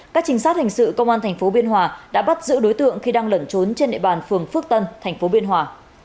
các trinh sát hình sự công an tp biên hòa đã bắt giữ đối tượng khi đang lẩn trốn trên địa bàn phường phước tân thành phố biên hòa